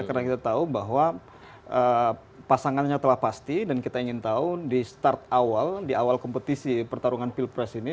karena kita tahu bahwa pasangannya telah pasti dan kita ingin tahu di start awal di awal kompetisi pertarungan pilpres ini